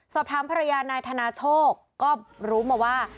สอบถามภรรยานายธนาโชคก็รู้มาว่า